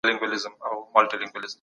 د جمهور کتاب چا ليکلی دی؟